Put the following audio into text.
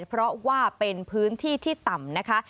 เพราะว่าเป็นพื้นที่ที่ต่ำนะคะ